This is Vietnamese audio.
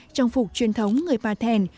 trang phục truyền thống người bà thèn